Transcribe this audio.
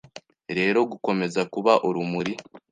rero gukomeza kuba urumuri